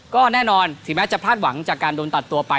ก็แน่นอนถึงแม้จะพลาดหวังจากการโดนตัดตัวไป